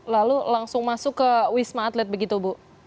lalu langsung masuk ke wisma atlet begitu bu